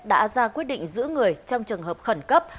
đã ra quyết định giữ người trong trường hợp khẩn cấp